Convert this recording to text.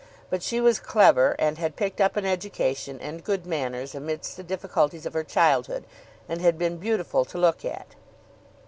But she was clever, and had picked up an education and good manners amidst the difficulties of her childhood, and had been beautiful to look at.